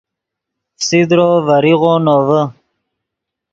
فسیدرو ڤریغو نوڤے